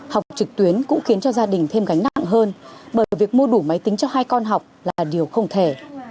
học trực tuyến cũng khiến cho gia đình thêm gánh nặng hơn bởi việc mua đủ máy tính cho hai con học là điều không thể